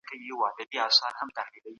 هغه ټکی چې علوم سره جلا کوي د مطالعې محور دی.